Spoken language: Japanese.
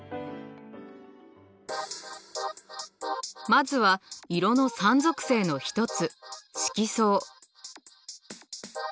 まずは色の３属性の一つ色相。